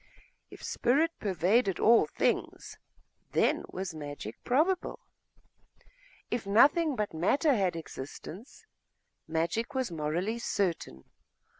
If spirit pervaded all things, then was magic probable; if nothing but matter had existence, magic was morally certain.